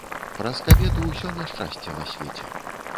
Праз кабету ўсё няшчасце на свеце.